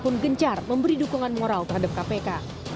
pun gencar memberi dukungan moral terhadap kpk